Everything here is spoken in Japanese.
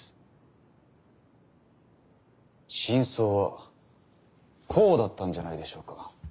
真相はこうだったんじゃないでしょうか。